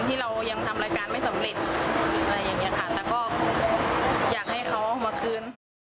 ที่เรายังทำรายการไม่สำเร็จอะไรอย่างเงี้ยค่ะแต่ก็อยากให้เขาเอามาคืน